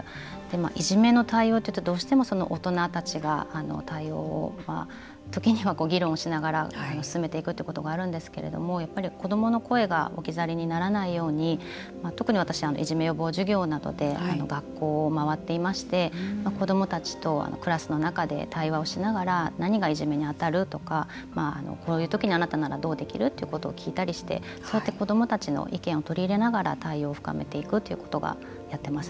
いじめの対応というとどうしても大人たちが対応を時には議論をしながら進めていくということがあるんですけれども子どもの声が置き去りにならないように特に私いじめ予防授業などで学校を回っていまして子どもたちとクラスの中で対話をしながら何がいじめに当たる？とかこういう時にあなたならどうできる？ということを聞いたりしてそうやって子どもたちの意見を取り入れながら対応を深めていくということをやってます。